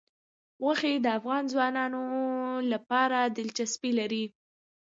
غوښې د افغان ځوانانو لپاره دلچسپي لري.